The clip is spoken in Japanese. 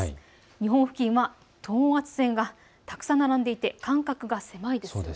日本付近は等圧線がたくさん並んでいて間隔が狭いです。